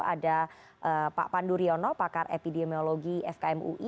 ada pak pandu riono pakar epidemiologi fkm ui